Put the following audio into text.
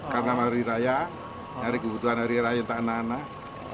karena hari raya hari kebutuhan hari raya entah anak anak